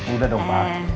udah dong pak